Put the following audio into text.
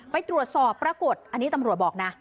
ไปตรวจสอบปรากฏอันนี้ตำรวจบอกนะ